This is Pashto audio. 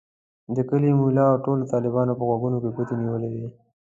د کلي ملا او ټولو طالبانو په غوږونو کې ګوتې نیولې وې.